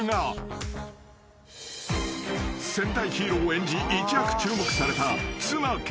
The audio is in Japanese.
［戦隊ヒーローを演じ一躍注目された］